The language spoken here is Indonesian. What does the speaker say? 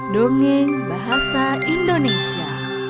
dongeng bahasa indonesia